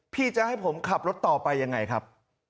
พี่จะให้ผมขับรถต่อไปยังไงครับ